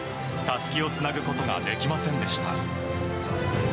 たすきをつなぐことができませんでした。